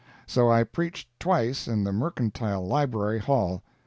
So I preached twice in the Mercantile Library Hall.